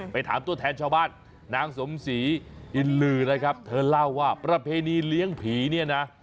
ไปถามตัวแทนชาวบ้านนางสมศรีอินลือนะครับเธอเล่าว่าประเพณีเลี้ยงผีเนี่ยนะ